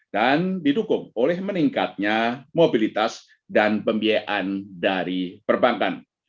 dan didukung oleh meningkatnya mobilitas dan pembiayaan dari perbankan